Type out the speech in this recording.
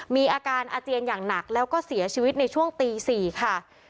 มีอาการอาเจียนอย่างหนักแล้วก็เสียชีวิตในช่วงตี๔ค่ะ